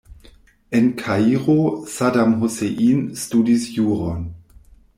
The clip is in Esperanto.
En Kairo Saddam Hussein studis juron.